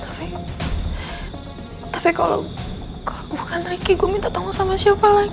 tapi tapi kalau kalau bukan riki gue minta tolong sama siapa lagi